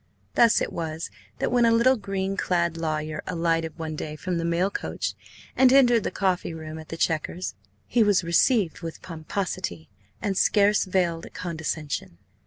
Thus it was that, when a little green clad lawyer alighted one day from the mail coach and entered the coffee room at the Chequers, he was received with pomposity and scarce veiled condescension.